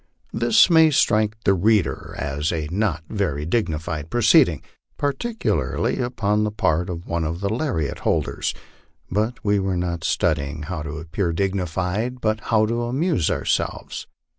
This may strike the reader as a not very dignified proceeding, particularly upon the part of one of the lariat holders ; but we were not studying how to appear dignified, but how to amuse ourselves.